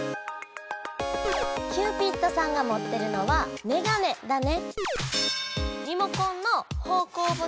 キューピッドさんがもってるのは「めがね」だね！